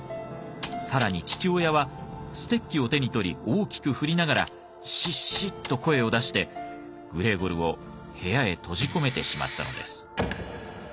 更に父親はステッキを手に取り大きく振りながら「シッシッ」と声を出してグレーゴルを部屋へ閉じ込めてしまったのです。